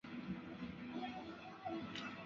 主要城镇为康布雷。